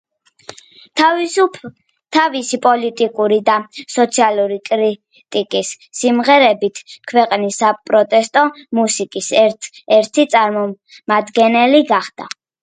თავისი პოლიტიკური და სოციალური კრიტიკის სიმღერებით, ქვეყნის საპროტესტო მუსიკის ერთ-ერთი წარმომადგენელი გახდა.